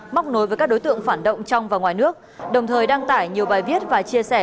móc nối với các đối tượng phản động trong và ngoài nước đồng thời đăng tải nhiều bài viết và chia sẻ